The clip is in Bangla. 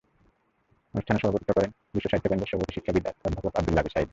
অনুষ্ঠানে সভাপতিত্ব করেন বিশ্বসাহিত্য কেন্দ্রের সভাপতি শিক্ষাবিদ অধ্যাপক আবদুল্লাহ আবু সায়ীদ।